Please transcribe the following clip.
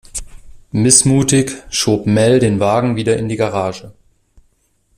Missmutig schob Mel den Wagen wieder in die Garage.